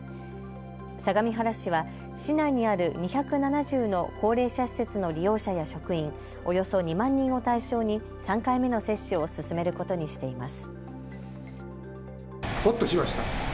相模原市は市内にある２７０の高齢者施設の利用者や職員およそ２万人を対象に３回目の接種を進めることにしています。